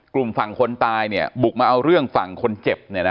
กลุ่มฝั่งคนตายเนี้ยบุกมาเอาเรื่องฝั่งคนเจ็บเนี้ยนะ